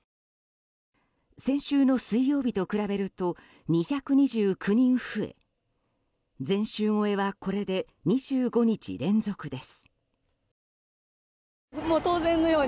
先週の水曜日と比べると２２９人増え前週超えはこれで２５日連続です。